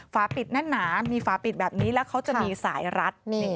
ฝาปิดแน่นหนามีฝาปิดแบบนี้แล้วเขาจะมีสายรัด